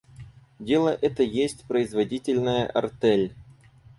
Дело это есть производительная артель....